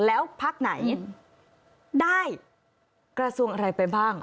แล้วพักไหนได้กระทรวงอะไรไปบ้าง